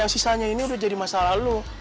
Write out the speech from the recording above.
yang sisanya ini udah jadi masalah lo